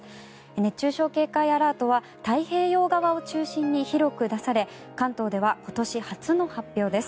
熱中症警戒アラートは太平洋側を中心に広く出され関東では今年初の発表です。